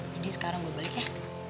jadi sekarang gue balik ya